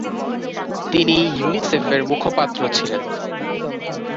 তিনি ইউনিসেফের মুখপাত্র ছিলেন।